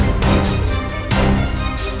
aku akan mencari makanan yang lebih enak